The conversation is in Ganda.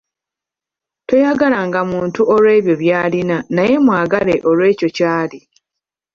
Toyagalanga muntu olw’ebyo by’alina naye mwagale olw'ekyo ky’ali.